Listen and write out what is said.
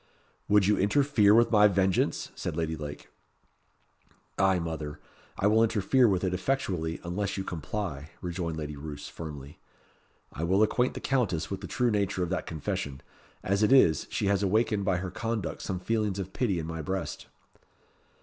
"Would you interfere with my vengeance?" said Lady Lake. "Ay, mother, I will interfere with it effectually unless you comply," rejoined Lady Roos, firmly. "I will acquaint the Countess with the true nature of that confession. As it is, she has awakened by her conduct some feelings of pity in my breast."